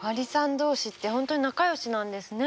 同士って本当に仲良しなんですね。